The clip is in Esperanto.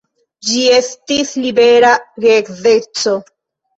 Ĝi estis "libera geedzeco".